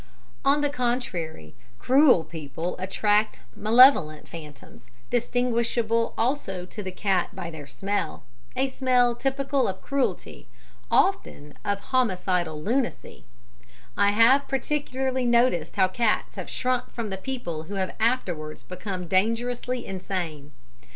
On the contrary, cruel people attract malevolent phantoms, distinguishable also to the cat by their smell, a smell typical of cruelty often of homicidal lunacy (I have particularly noticed how cats have shrunk from people who have afterwards become dangerously insane).